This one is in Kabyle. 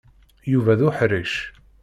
Yuba d uḥṛic.